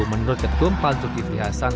menurut ketumpal zulkifri hasan